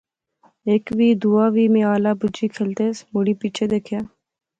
ہیک وی، دوہا وی، میں آلا بجی کھلتیس، مڑی پیچھے دیکھیا